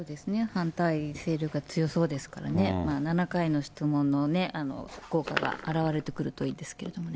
反対勢力が強そうですからね、７回の質問の効果が表れてくるといいですけれどもね。